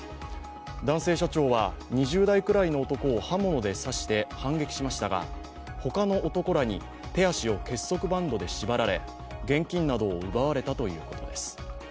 男性社長は２０代くらいの男を刃物で刺して反撃しましたが、他の男らに手足を結束バンドで縛られ、現金などを奪われたということです。